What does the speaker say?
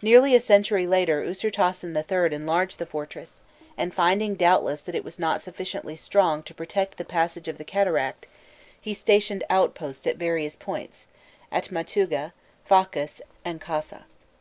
Nearly a century later Ûsirtasen III. enlarged the fortress, and finding doubtless that it was not sufficiently strong to protect the passage of the cataract, he stationed outposts at various points, at Matûga, Fakus, and Kassa.